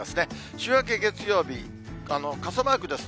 週明け月曜日、傘マークです。